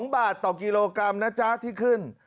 ๒บาทต่อกิโลกรัมนะจ๊ะที่ขึ้น